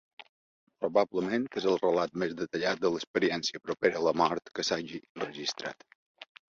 Probablement és el relat més detallat de l'experiència propera a la mort que s'hagi registrat.